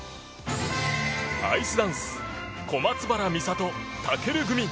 アイスダンス小松原美里・尊組。